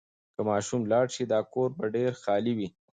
که ماشوم لاړ شي، دا کور به ډېر خالي وي.